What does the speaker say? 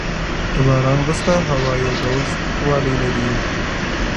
د باران وروسته هوا یو ډول سپکوالی لري’